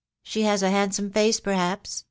She has a handsome face, perhaps ?